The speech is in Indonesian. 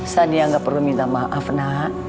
sania gak perlu minta maaf nak